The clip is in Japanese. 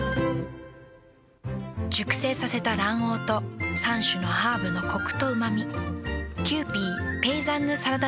熟成させた卵黄と３種のハーブのコクとうま味。